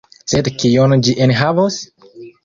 Sed kion ĝi enhavos?